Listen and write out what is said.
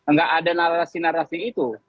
nggak ada narasi narasi itu